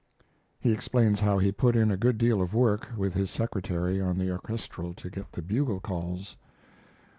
He explains how he had put in a good deal of work, with his secretary, on the orchestrelle to get the bugle calls.